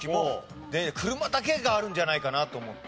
車だけがあるんじゃないかなと思って。